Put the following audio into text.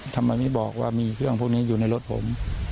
ทำไมไม่บอกว่ามีเครื่องพวกนี้อยู่ในรถผม